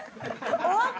終わった？